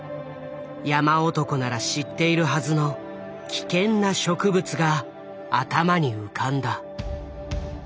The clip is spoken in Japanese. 山男なら知っているはずの危険な植物が頭に浮かんだ。